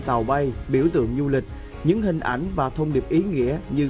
máy bay vietjet mang biểu tượng du lịch tp hcm những hình ảnh và thông điệp ý nghĩa như